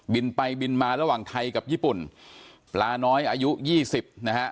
บินไปบินมาระหว่างไทยกับญี่ปุ่นปลาน้อยอายุยี่สิบนะฮะ